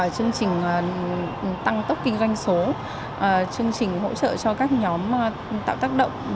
chương trình tăng tốc kinh doanh số chương trình hỗ trợ cho các nhóm tạo tác động